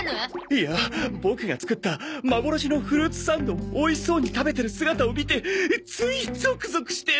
いやボクが作ったまぼろしのフルーツサンドをおいしそうに食べてる姿を見てついゾクゾクして。